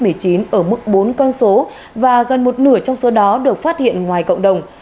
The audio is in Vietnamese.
covid một mươi chín ở mức bốn con số và gần một nửa trong số đó được phát hiện ngoài cộng đồng